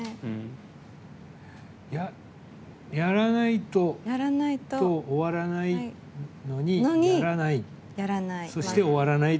やらないと終わらないのにやらない。